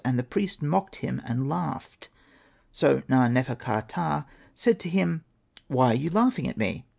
And the priest mocked him and laughed. So Na.nefer.ka.ptah said to him, ' Why are you laughing at me